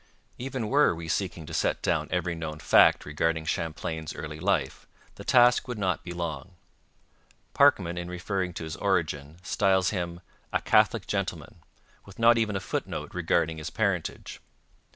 Even were we seeking to set down every known fact regarding Champlain's early life the task would not be long. Parkman, in referring to his origin, styles him 'a Catholic gentleman,' with not even a footnote regarding his parentage.